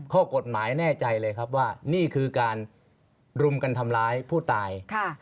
ข้อกฎหมายแน่ใจเลยครับว่านี่คือการรุมกันทำร้ายผู้ตาย